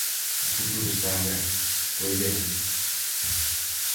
O futuro está aberto, coidémonos.